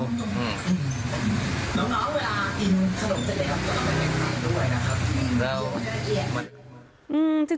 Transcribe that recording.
เล่า